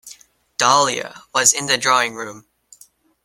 Dahlia was in the drawing-room.